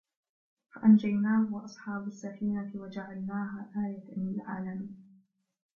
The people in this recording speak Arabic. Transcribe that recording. فأنجيناه وأصحاب السفينة وجعلناها آية للعالمين